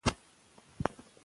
شاعران نړۍ ته خپل هنر څرګندوي.